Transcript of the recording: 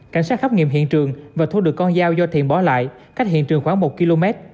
cảnh sát khắp nghiệm hiện trường và thu được con dao do thiện bỏ lại cách hiện trường khoảng một km